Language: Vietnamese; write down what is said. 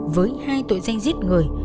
với hai tội danh giết người